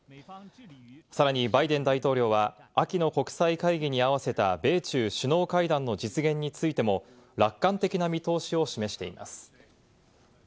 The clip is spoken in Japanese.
さらにバイデン大統領は、秋の国際会議に合わせた米中首脳会談の実現についても楽観的な見通しを示しています。